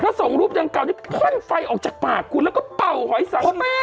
แล้วส่งรูปจากเก่านี้ข้นไฟออกจากปากแล้วเข้าหอยแซม